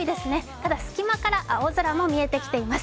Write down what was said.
ただ、隙間から青空も見えてきています。